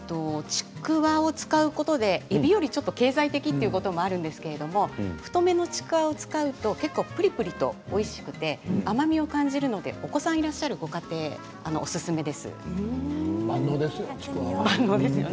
ちくわを使うことでえびより経済的ということもあるんですけど太めのちくわを使うと結構ぷりぷりとおいしくて甘みを感じるのでお子さんがいらっしゃるご家庭万能ですよ。